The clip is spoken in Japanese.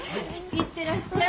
行ってらっしゃい。